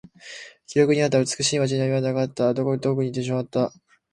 記録にあった美しい街並みはなかった。どこか遠くに行ってしまった。